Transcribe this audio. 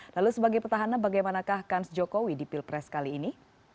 lalu sebagai petahana bagaimanakah kans jokowi di pilpres kali ini